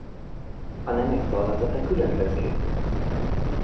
A nemek tollazata különböző.